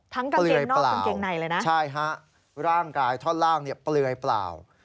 ทั้งกางเกงนอกกางเกงในเลยนะเปลือยเปล่าใช่ฮะร่างกายท่อนล่างเปลือยเปล่า